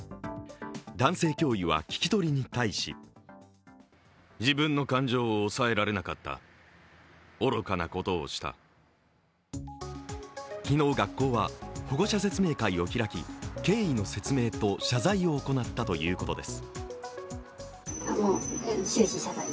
男性教諭は聞き取りに対し昨日、学校は保護者説明会を開き経緯の説明と謝罪を行ったということです。